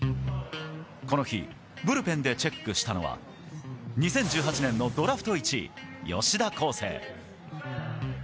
この日ブルペンでチェックしたのは２０１８年のドラフト１位吉田輝星。